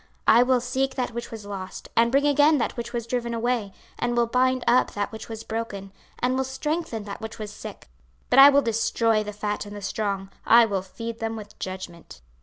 26:034:016 I will seek that which was lost, and bring again that which was driven away, and will bind up that which was broken, and will strengthen that which was sick: but I will destroy the fat and the strong; I will feed them with judgment.